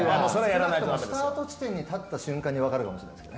スタート地点に立った瞬間に分かるんです。